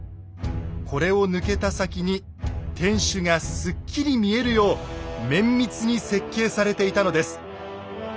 これを抜けた先に天守がすっきり見えるよう綿密に設計されていたのです。